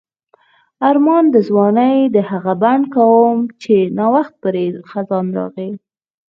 آرمان د ځوانۍ د هغه بڼ کوم چې نا وخت پرې خزان راغی.